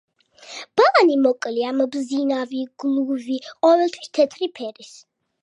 ბალანი მოკლეა, მბზინავი, გლუვი, ყოველთვის თეთრი ფერის.